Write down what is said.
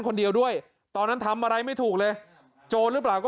คนเดียวด้วยตอนนั้นทำอะไรไม่ถูกเลยโจรหรือเปล่าก็